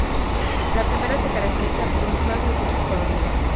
La primera se caracteriza por un suave y rico colorido.